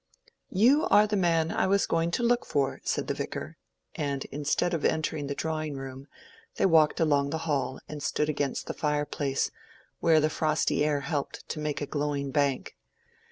"You are the man I was going to look for," said the Vicar; and instead of entering the drawing room, they walked along the hall and stood against the fireplace, where the frosty air helped to make a glowing bank.